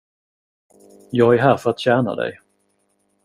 Jag är här för att tjäna dig.